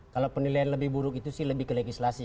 kalau penilaian lebih buruk itu sih lebih ke legislasi